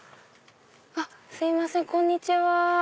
すいませんこんにちは。